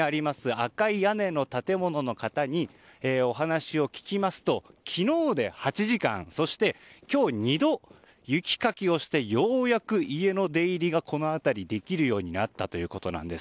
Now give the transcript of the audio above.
赤い屋根の建物の方にお話を聞きますと、昨日で８時間そして今日２度雪かきをしてようやく家の出入りができるようになったということです。